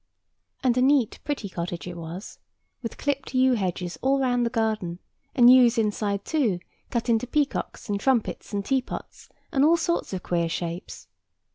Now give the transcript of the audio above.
And a neat pretty cottage it was, with clipped yew hedges all round the garden, and yews inside too, cut into peacocks and trumpets and teapots and all kinds of queer shapes.